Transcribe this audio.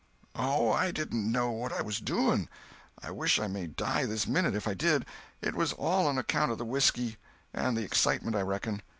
"Oh, I didn't know what I was a doing. I wish I may die this minute if I did. It was all on account of the whiskey and the excitement, I reckon.